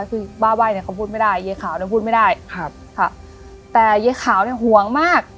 คือบ้าไหว้เนี่ยเขาพูดไม่ได้เย้ขาวเนี่ยพูดไม่ได้ครับค่ะแต่ยายขาวเนี่ยห่วงมาก